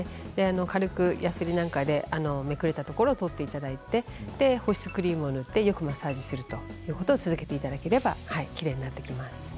軽くやすりなんかでめくれたところを取っていただいて保湿クリームを塗ってよくマッサージすることを続けていただければきれいになっていきます。